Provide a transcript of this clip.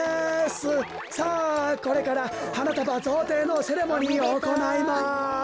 さあこれからはなたばぞうていのセレモニーをおこないます！